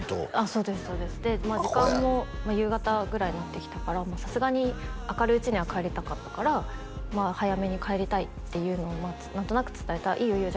そうですで時間も夕方ぐらいになってきたからさすがに明るいうちには帰りたかったから早めに帰りたいっていうのを何となく伝えたらいいよいいよ